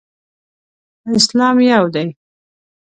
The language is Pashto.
اسلام یو دی.